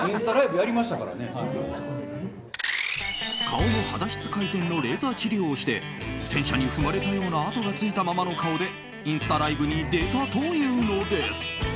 顔の肌質改善のレーザー治療をして戦車に踏まれたような跡がついたままの顔でインスタライブに出たというのです。